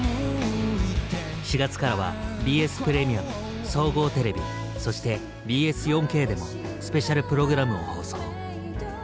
４月からはＢＳプレミアム総合テレビそしてＢＳ４Ｋでもスペシャルプログラムを放送。